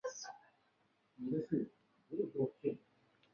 受到牵连流放外岛的达六十余人。